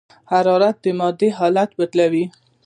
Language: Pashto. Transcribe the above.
حرارت د مادې حالت بدلوي.